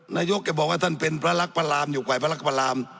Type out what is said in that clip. นายกจะบอกว่าท่านเป็นพระรักพระรามอยู่ฝ่ายพระรักพระราม